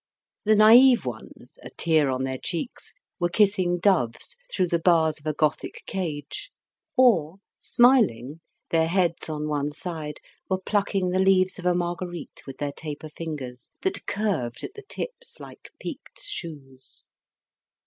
The naive ones, a tear on their cheeks, were kissing doves through the bars of a Gothic cage, or, smiling, their heads on one side, were plucking the leaves of a marguerite with their taper fingers, that curved at the tips like peaked shoes.